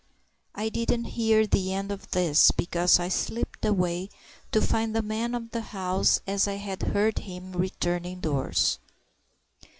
I didn't hear the end of this, because I slipped away to find the man of the house, as I had heard him return indoors.